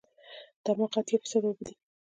دماغ اتیا فیصده اوبه دي.